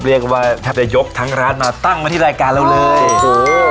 เรียกว่าแทบจะยกทั้งร้านมาตั้งมาที่รายการเราเลยโอ้โห